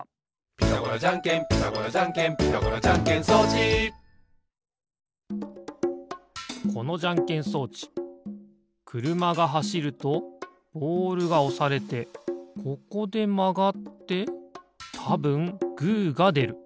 「ピタゴラじゃんけんピタゴラじゃんけん」「ピタゴラじゃんけん装置」このじゃんけん装置くるまがはしるとボールがおされてここでまがってたぶんグーがでる。